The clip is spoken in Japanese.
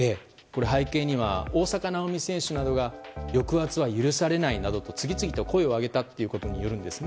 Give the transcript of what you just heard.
背景には大坂なおみ選手などが抑圧は許されないなどと次々と声を上げたことが言えるんです。